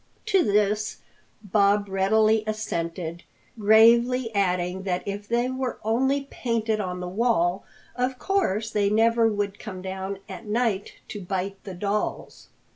To this Bob readily assented, gravely adding that if they were only painted on the wall, of course they never could come down at night to bite the dolls.